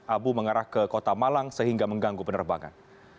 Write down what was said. abu mengarah ke kota malang sehingga mengganggu penerbangan